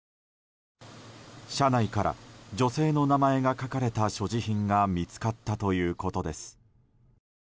車内から女性の名前が書かれた所持品が見つかったということです。